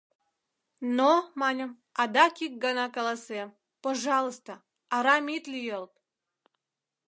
Но, маньым, адак ик гана каласем: пожалысте, арам ит лӱйылт!»